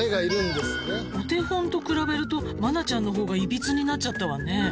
「お手本と比べると愛菜ちゃんの方がいびつになっちゃったわねえ」